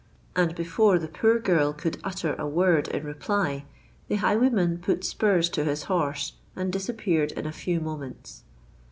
"—And before the poor girl could utter a word in reply, the highwayman put spurs to his horse, and disappeared in a few moments.